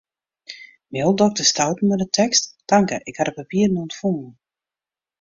Mail dokter Stouten mei de tekst: Tanke, ik ha de papieren ûntfongen.